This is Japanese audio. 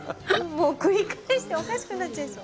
もう繰り返しておかしくなっちゃいそう。